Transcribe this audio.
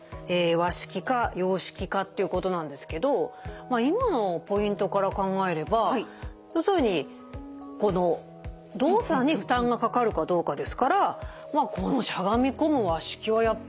和式か洋式かっていうことなんですけど今のポイントから考えれば要するにこの動作に負担がかかるかどうかですからこのしゃがみ込む和式はやっぱりＮＧでしょ。